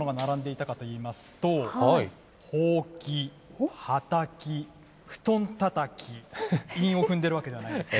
どんなものが並んでいたかといいますと、ほうき、はたき、布団たたき、韻を踏んでるわけじゃないですよ。